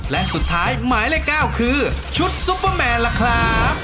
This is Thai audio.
และสุดท้ายหมายเลข๙คือชุดซุปเปอร์แมนล่ะครับ